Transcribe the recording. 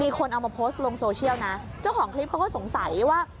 คนเอามาโพสต์ลงโซเชียลนะเจ้าของคลิปเขาก็สงสัยว่า